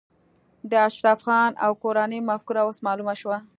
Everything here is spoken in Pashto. د اشرف خان او کورنۍ مفکوره اوس معلومه شوه